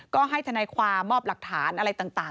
ก็ให้ทนายความมอบหลักฐานอะไรต่าง